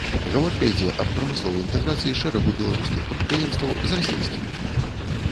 Гаворка ідзе аб прамысловай інтэграцыі шэрагу беларускіх прадпрыемстваў з расейскімі.